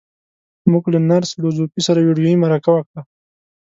موږ له نرس لو ځو پي سره ويډيويي مرکه وکړه.